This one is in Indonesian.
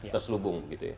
terselebung gitu ya